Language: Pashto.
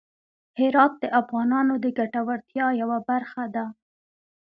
هرات د افغانانو د ګټورتیا یوه برخه ده.